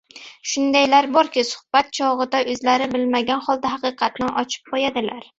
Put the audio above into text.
Shundaylar borki, suhbat chog‘ida o‘zlari bilmagan holda haqiqatni ochib qo‘yadilar.